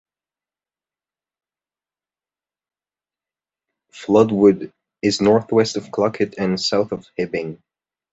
Floodwood is northwest of Cloquet and south of Hibbing.